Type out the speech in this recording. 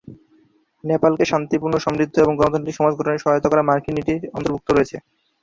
নেপালকে শান্তিপূর্ণ, সমৃদ্ধ এবং গণতান্ত্রিক সমাজ গঠনে সহায়তা করা মার্কিন নীতির অন্তর্ভুক্ত রয়েছে।